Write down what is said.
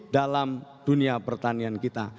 dalam dunia pertanian kita